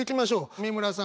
美村さん